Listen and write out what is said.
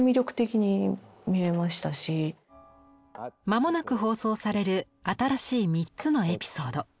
間もなく放送される新しい３つのエピソード。